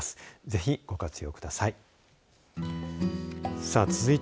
ぜひご活用ください。